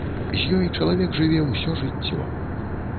З ёй чалавек жыве ўсё жыццё.